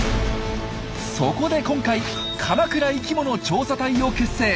そこで今回「鎌倉生きもの調査隊」を結成。